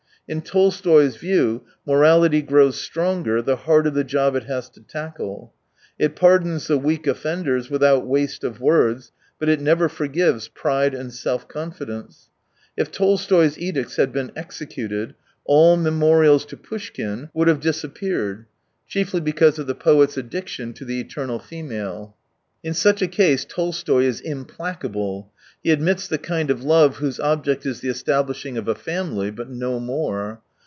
In Tolstoy's view morality grows stronger the harder the job it has to tackle. It pardons the weak offenders without waste of words, but it never forgives pride and self confi dence. If Tolstoy's edicts had been executed, all meriiorials to Poushkin would have 155 disappeared ; chiefly because of the poet's addiction to the eternal female. In such a case Tolstoy is implacable. He admits the the kind of love whose object is the establish ^ ing of a family, but no more.